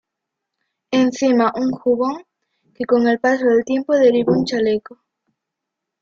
Encima, un jubón que con el paso del tiempo derivó en un chaleco.